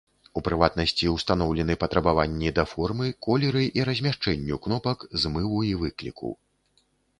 У прыватнасці, устаноўлены патрабаванні да формы, колеры і размяшчэнню кнопак змыву і выкліку.